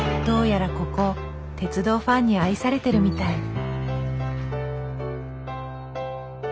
どうやらここ鉄道ファンに愛されてるみたい。